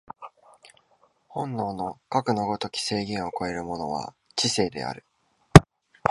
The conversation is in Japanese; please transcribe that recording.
本能のかくの如き制限を超えるものは知性である。